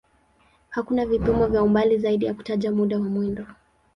Hakuna vipimo vya umbali zaidi ya kutaja muda wa mwendo.